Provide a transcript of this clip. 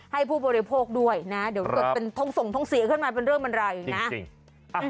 ให้ผู้บริโภคด้วยนะเดี๋ยวตกเป็นทงส่งทงเสียขึ้นมาเป็นเรื่องบรรลายอีกนะ